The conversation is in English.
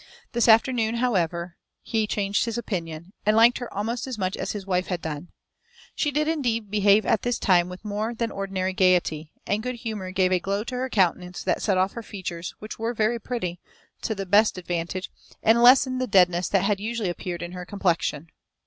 This afternoon, however, he changed his opinion, and liked her almost as much as his wife had done. She did indeed behave at this time with more than ordinary gaiety; and good humour gave a glow to her countenance that set off her features, which were very pretty, to the best advantage, and lessened the deadness that had usually appeared in her complexion.